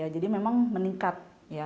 jadi memang meningkat